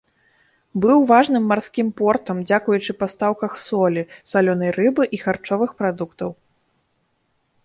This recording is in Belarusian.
Быў важным марскім портам дзякуючы пастаўках солі, салёнай рыбы і харчовых прадуктаў.